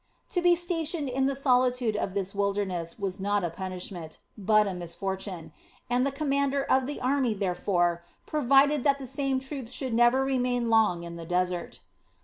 To be stationed in the solitude of this wilderness was not a punishment, but a misfortune; and the commander of the army therefore provided that the same troops should never remain long in the desert.